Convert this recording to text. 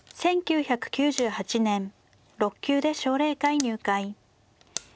１９９８年６級で奨励会入会。